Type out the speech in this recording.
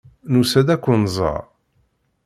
Nusa-d ad ken-nẓer.